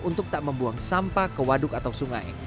untuk tak membuang sampah ke waduk atau sungai